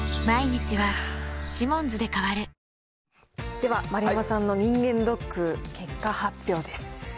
では、丸山さんの人間ドック、結果発表です。